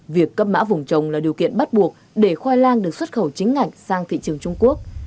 việc cấp mã vùng trồng là điều kiện bắt buộc để khoai lang được xuất khẩu chính ngạch sang thị trường trung quốc